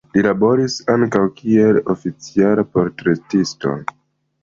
Li laboris ankaŭ kiel oficiala portretisto.